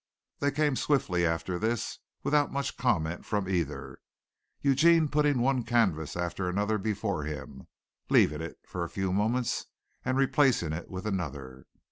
They came swiftly after this, without much comment from either, Eugene putting one canvas after another before him, leaving it for a few moments and replacing it with another.